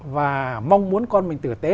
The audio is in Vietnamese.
và mong muốn con mình tử tế